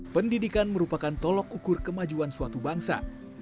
pendidikan merupakan tolok ukur kemajuan suatu bangsa